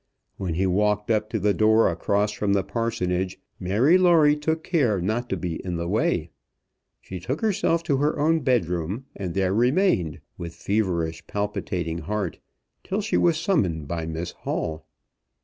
When he walked up to the door across from the Parsonage, Mary Lawrie took care not to be in the way. She took herself to her own bedroom, and there remained, with feverish, palpitating heart, till she was summoned by Miss Hall.